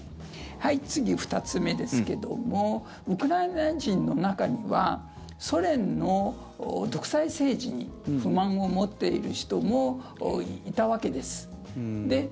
はい、次、２つ目ですけどもウクライナ人の中にはソ連の独裁政治に不満を持っている人もいたわけです。